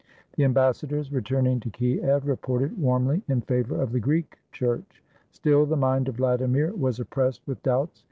The ambassadors, returning to Kiev, reported warmly in favor of the Greek Church. Still the mind of Vladimir was oppressed with doubts.